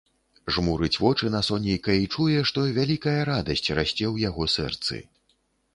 Жмурыць вочы на сонейка і чуе, што вялікая радасць расце ў яго сэрцы.